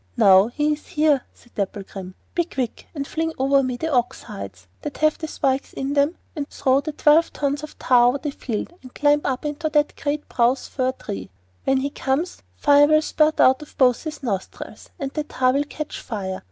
'Now he is here!' said Dapplegrim. 'Be quick, and fling over me the ox hides that have the spikes in them, throw the twelve tons of tar over the field, and climb up into that great spruce fir tree. When he comes, fire will spurt out of both his nostrils, and then the tar will catch fire.